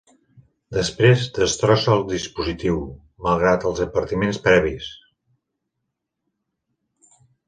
Després destrossa el dispositiu, malgrat els advertiments previs.